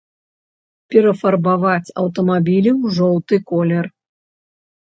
Перафарбаваць аўтамабілі ў жоўты колер.